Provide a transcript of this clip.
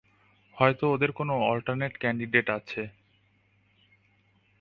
হয়তো ওদের কোনো অল্টারনেট ক্যান্ডিডেট আছে।